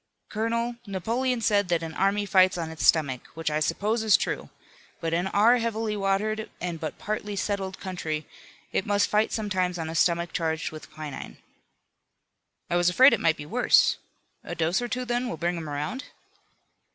Colonel, Napoleon said that an army fights on its stomach, which I suppose is true, but in our heavily watered and but partly settled country, it must fight sometimes on a stomach charged with quinine." "I was afraid it might be worse. A dose or two then will bring him around?"